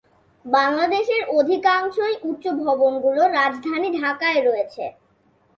বাংলাদেশের অধিকাংশই উচ্চ ভবনগুলো রাজধানী ঢাকায় রয়েছে।